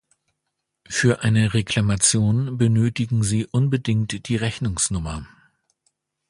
Für eine Reklamation benötigen sie unbedingt die Rechnungsnummer.